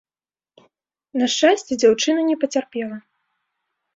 На шчасце, дзяўчына не пацярпела.